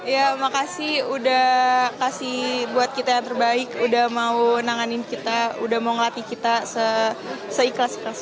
ya makasih udah kasih buat kita yang terbaik udah mau nanganin kita udah mau ngelatih kita seikhlas ikhlas